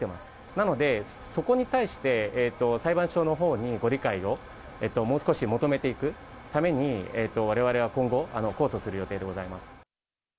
なので、そこに対して、裁判所のほうにご理解をもう少し求めていくために、われわれは今後、控訴する予定でございます。